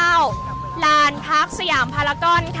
อาจจะออกมาใช้สิทธิ์กันแล้วก็จะอยู่ยาวถึงในข้ามคืนนี้เลยนะคะ